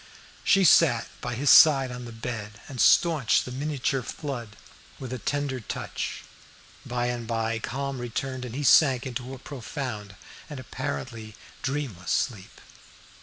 She sat by his side on the bed, and staunched the miniature flood with a tender touch. By and by calm returned, and he sank into a profound and apparently dreamless sleep.